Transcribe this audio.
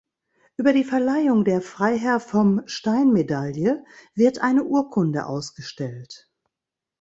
Über die Verleihung der Freiherr-vom-Stein-Medaille wird eine Urkunde ausgestellt.